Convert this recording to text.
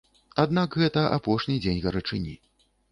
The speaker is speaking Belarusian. Аднак гэта апошні дзень гарачыні.